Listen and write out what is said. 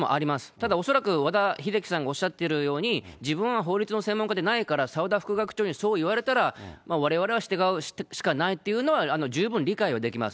ただ恐らく和田秀樹さんがおっしゃっているように、自分は法律の専門家でないから、澤田副学長にそう言われたら、われわれは従うしかないというのは、十分理解はできます。